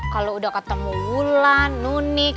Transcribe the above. kalau udah ketemu wulan nunik